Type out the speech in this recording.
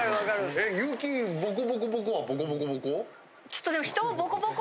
え優木ボコボコボコはボコボコボコ？